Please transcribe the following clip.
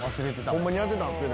ホンマにやってたんすか？